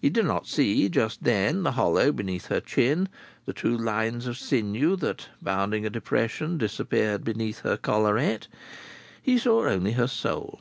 He did not see, just then, the hollow beneath her chin, the two lines of sinew that, bounding a depression, disappeared beneath her collarette. He saw only her soul.